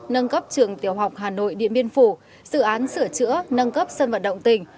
nâng cấp trường tiểu học hà nội điện biên phủ sửa chữa nâng cấp sân vận động tỉnh